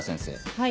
はい。